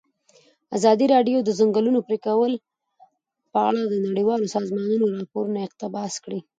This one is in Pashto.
ازادي راډیو د د ځنګلونو پرېکول په اړه د نړیوالو سازمانونو راپورونه اقتباس کړي.